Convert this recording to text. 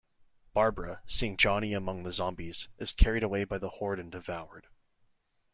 Barbra, seeing Johnny among the zombies, is carried away by the horde and devoured.